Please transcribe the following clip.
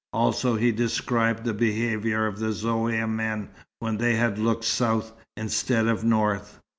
Also he described the behaviour of the Zaouïa men when they had looked south, instead of north.